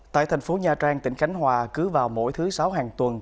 tại thành phố nha trang tỉnh khánh hòa cứ vào mỗi thứ sáu hàng tuần